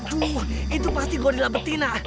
aduh waduh itu pasti gorilla betina